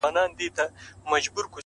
هره تېروتنه د پرمختګ امکان لري’